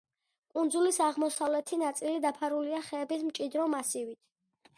კუნძულის აღმოსავლეთი ნაწილი დაფარულია ხეების მჭიდრო მასივით.